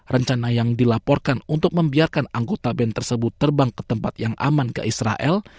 rencana yang dilaporkan untuk membiarkan anggota band tersebut terbang ke tempat yang aman ke israel